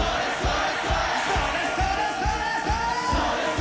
それそれそれそれ！